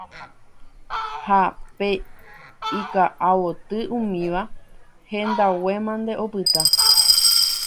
ha pe ika'avoty umíva, hendague mante opyta